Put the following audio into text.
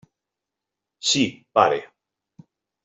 Sí, pare.